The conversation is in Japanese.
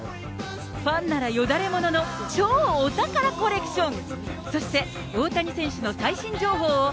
ファンならよだれものの、超お宝コレクション。